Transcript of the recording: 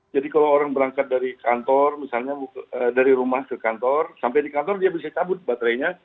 jadi kalau orang berangkat dari kantor misalnya dari rumah ke kantor sampai di kantor dia bisa cabut baterainya